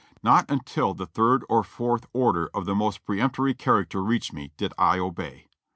Not until the third or fourth order of the most peremptory character reached me, did I obey.